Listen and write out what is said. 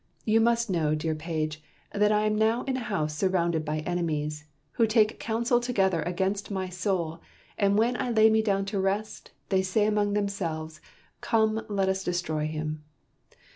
"You must know, Dear Page, that I am now in a house surrounded by enemies, who take counsel together against my soul; and when I lay me down to rest, they say among themselves, 'Come let us destroy him.'